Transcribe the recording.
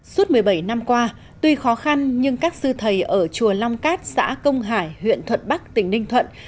suốt một mươi bảy năm qua tuy khó khăn nhưng các sư thầy ở chùa long cát xã công hải huyện thuận bắc tỉnh ninh thuận